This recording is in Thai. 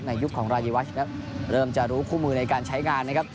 ยุคของรายวัชครับเริ่มจะรู้คู่มือในการใช้งานนะครับ